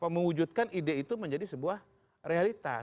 mewujudkan ide itu menjadi sebuah realitas